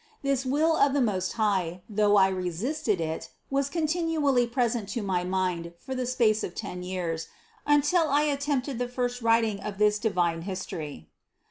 This will of the Most High, though I resisted it, was continually present to my mind for the space of ten years, until I attempted the first writing of this divine history.